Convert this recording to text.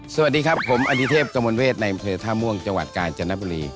สวัสดีครับผมอธิเทพกมลเวทในอำเภอท่าม่วงจังหวัดกาญจนบุรี